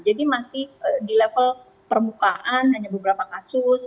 jadi masih di level permukaan hanya beberapa kasus